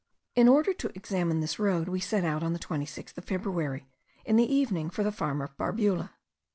In order to examine this road, we set out on the 26th of February in the evening for the farm of Barbula.